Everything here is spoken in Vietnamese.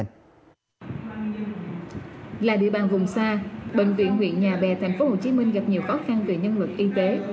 là địa bàn vùng xa bệnh viện huyện nhà bè tp hcm gặp nhiều khó khăn về nhân lực y tế